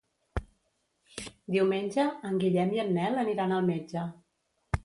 Diumenge en Guillem i en Nel aniran al metge.